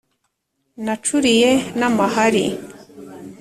nacuriye n’amahari